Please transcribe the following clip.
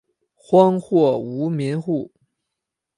荒或无民户。